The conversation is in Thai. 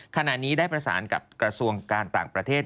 ขณะนี้ได้ประสานกับกระทรวงการต่างประเทศ